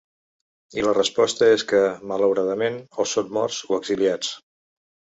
I la resposta és que, malauradament, o són morts o exiliats.